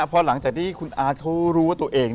พอหลังจากที่คุณอาจเค้ารู้ว่าตัวเองเนี่ย